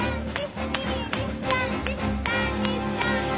１２３４。